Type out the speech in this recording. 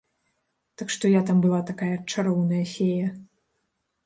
Так што я там была такая чароўная фея.